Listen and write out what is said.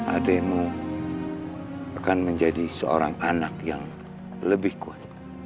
ademo akan menjadi seorang anak yang lebih kuat